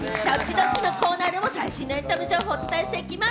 ドッチ？のコーナーでも最新のエンタメ情報をお伝えしていきます。